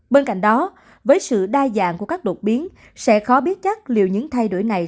bên cạnh đó với sự đa dạng của các đột biến sẽ khó biết chắc liệu những thay đổi này